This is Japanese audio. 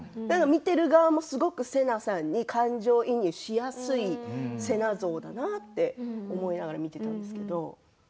見ている側も瀬名さんに感情移入しやすい瀬名像だなって、思いながら見ていたんですけれど。